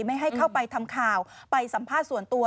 ไม่ให้เข้าไปทำข่าวไปสัมภาษณ์ส่วนตัว